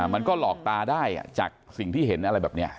มันก็หลอกตาได้จากสิ่งที่เห็นอะไรแบบนี้